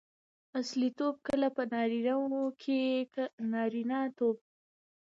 اصیلتوب؛ لکه په نارينه وو کښي نارينه توب.